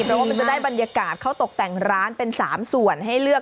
เพราะว่ามันจะได้บรรยากาศเข้าตกแต่งร้านเป็น๓ส่วนให้เลือก